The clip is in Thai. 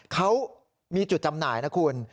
เขามีจุดจำหน่ายนะคุณ